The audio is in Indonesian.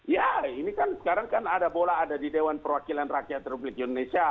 ya ini kan sekarang kan ada bola ada di dewan perwakilan rakyat republik indonesia